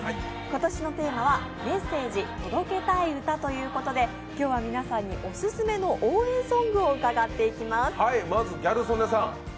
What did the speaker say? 今年のテーマは「メッセージ届けたい歌」ということで今日は皆さんにオススメの応援ソングを伺っていきます。